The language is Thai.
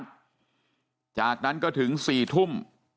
เพราะฉะนั้นก็ถึง๔ทุ่ม